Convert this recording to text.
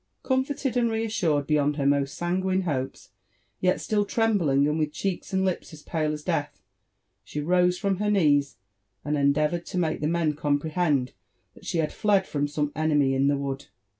Comforted and reassured beyond her most sanguine hopes, yet still trembling, and with cheeks and lips as pale as death, she rose from her knees and endeavoured to make the men comprehend that she^iad fled from some enemy in the wood.